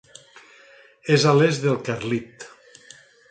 És a l'est del Carlit.